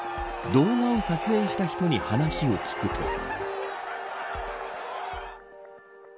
動画を撮影した人に話を聞くと。